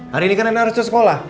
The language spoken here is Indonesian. hari ini kan rena harus ke sekolah